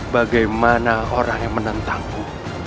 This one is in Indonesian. bagaimana orang yang menentangku